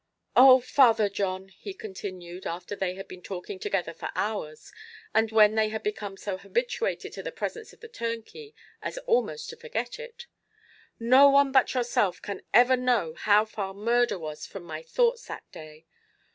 "Oh! Father John," he continued, after they had been talking together for hours, and when they had become so habituated to the presence of the turnkey as almost to forget it, "no one but yourself can ever know how far murder was from my thoughts that day!